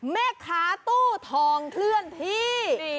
แม่ค้าตู้ทองเคลื่อนที่